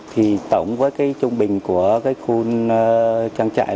thì tổng với cái trung bình của cái khu trang trại